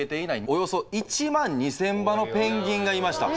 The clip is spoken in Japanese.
およそ１万２千羽のペンギンがいました。